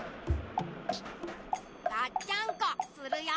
がっちゃんこするよ。